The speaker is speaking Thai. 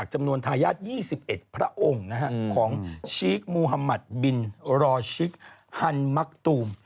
จำนวนทายาท๒๑พระองค์ของชิคมุฮัมมัติบิลรอชิคฮันมักตูม